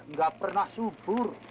nggak pernah subur